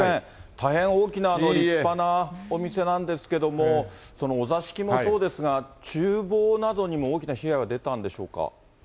大変大きな立派なお店なんですけれども、お座敷もそうですが、ちゅう房などにも大きな被害が出たんでしょうか。